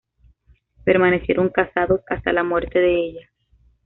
Permanecieron casados hasta la muerte de ella.